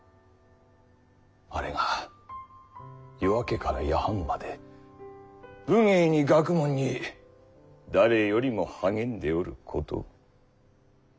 あれが夜明けから夜半まで武芸に学問に誰よりも励んでおることを。